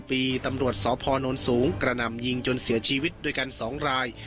ปีตำรวจสพนสูงกระหน่ำยิงจนเสียชีวิตด้วยกัน๒ราย